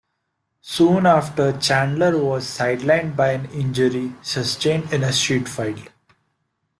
Soon after, Chandler was sidelined by an injury sustained in a street-fight.